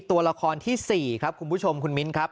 ตัวละครที่๔ครับคุณผู้ชมคุณมิ้นครับ